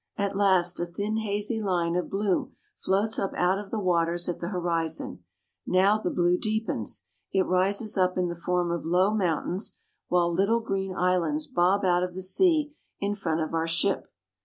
At last a thin, hazy line of blue floats up out of the waters at the horizon. Now the blue deepens. It rises up in the form of low mountains, while little green islands bob out of the sea in front of our ship.